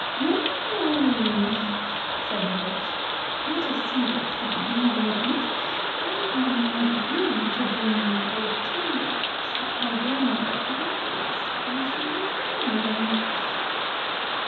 " No," said the witch, " not a single penny do I want; I only want you to bring me an old tinder box that my grand mother forgot the last time she was down there!